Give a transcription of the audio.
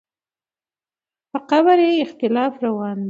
په قبر یې اختلاف روان دی.